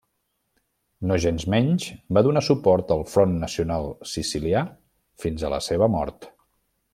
Nogensmenys, va donar suport al Front Nacional Sicilià fins a la seva mort.